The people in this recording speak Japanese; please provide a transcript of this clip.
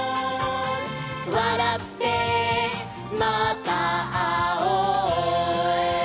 「わらってまたあおう」